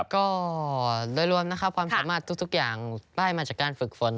ก็โดยรวมนะครับความสามารถทุกอย่างได้มาจากการฝึกฝน